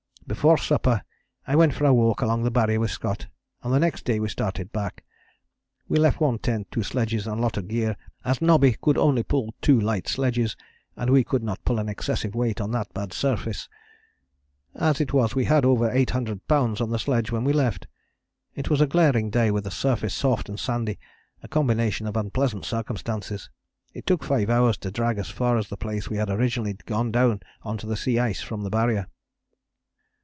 Before supper I went for a walk along the Barrier with Scott, and the next day we started back. We left one tent, two sledges and a lot of gear as Nobby could only pull two light sledges, and we could not pull an excessive weight on that bad surface. As it was we had over 800 lbs. on the sledge when we left. It was a glaring day with the surface soft and sandy, a combination of unpleasant circumstances. It took five hours to drag as far as the place we had originally gone down on to the sea ice from the Barrier.